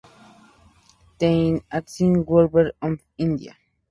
The Ancient Wolves of India.